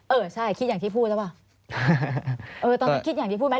เออใช่คิดอย่างที่พูดหรือเปล่าเออตอนนั้นคิดอย่างที่พูดไหม